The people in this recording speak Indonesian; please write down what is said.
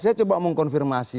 saya coba mengkonfirmasi